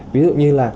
ví dụ như là